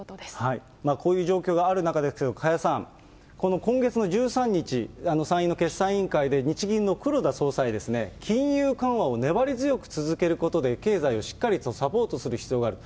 こういう状況がある中ですけど、加谷さん、この今月の１３日、参院の決算委員会で日銀の黒田総裁、金融緩和を粘り強く続けることで、経済をしっかりとサポートする必要がある。